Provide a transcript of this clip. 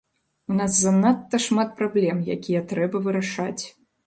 У нас занадта шмат праблем, якія трэба вырашаць.